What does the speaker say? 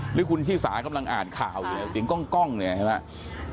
หรือคุณชิสากำลังอ่านข่าวอยู่เนี่ยเสียงกล้องเนี่ยใช่ไหม